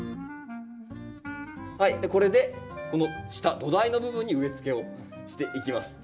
はいこれでこの下土台の部分に植えつけをしていきます。